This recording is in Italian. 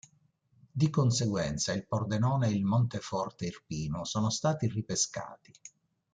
Di conseguenza, il Pordenone e il Monteforte Irpino sono stati ripescati.